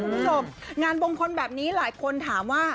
คุณผู้ชมงานมงคลแบบนี้หลายคนถามว่า